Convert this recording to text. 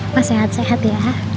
mas sehat sehat ya